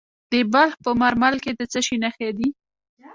د بلخ په مارمل کې د څه شي نښې دي؟